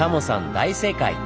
大正解！